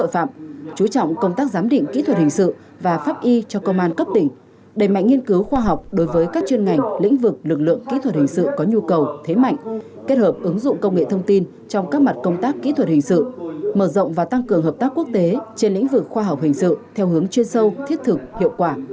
pháp y cho công an cấp tỉnh đẩy mạnh nghiên cứu khoa học đối với các chuyên ngành lĩnh vực lực lượng kỹ thuật hình sự có nhu cầu thế mạnh kết hợp ứng dụng công nghệ thông tin trong các mặt công tác kỹ thuật hình sự mở rộng và tăng cường hợp tác quốc tế trên lĩnh vực khoa học hình sự theo hướng chuyên sâu thiết thực hiệu quả